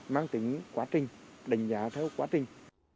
mang tính quá trình đánh giá theo quá trình